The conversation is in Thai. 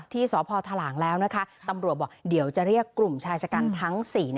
ที่สพทหลางแล้วนะคะตำรวจบอกเดี๋ยวจะเรียกกลุ่มชายชะกันทั้ง๔